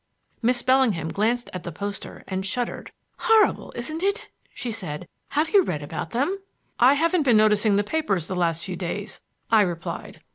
Miss Bellingham glanced at the poster and shuddered. "Horrible, isn't it?" she said. "Have you read about them?" "I haven't been noticing the papers the last few days," I replied.